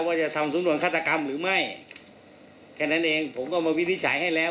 ว่าจะทำสำนวนฆาตกรรมหรือไม่แค่นั้นเองผมก็มาวินิจฉัยให้แล้ว